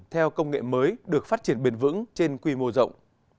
theo công nghệ mới được phát triển bền vững trên quy mô rộng